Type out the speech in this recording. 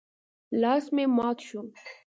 لاس مې مات شو.